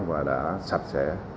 và đã sạch sẽ